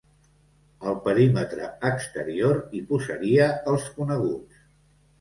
Al perímetre exterior hi posaria els coneguts.